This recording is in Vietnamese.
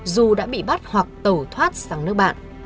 dù đã bị bắt hoặc tẩu thoát sang nước bạn